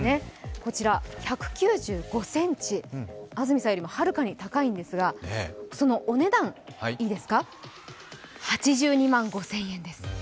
こちら１９５ｃｍ、安住さんよりもはるかに高いんですがそのお値段、いいですか８２万５０００円です。